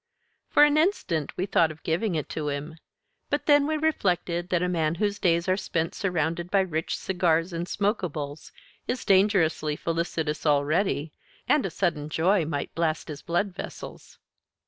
For an instant we thought of giving it to him, but then we reflected that a man whose days are spent surrounded by rich cigars and smokables is dangerously felicitous already, and a sudden joy might blast his blood vessels.